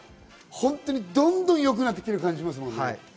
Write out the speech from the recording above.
どんどん良くなってきてる感じがしますもんね。